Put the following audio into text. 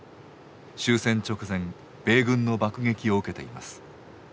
終戦直前米軍の爆撃を受けています。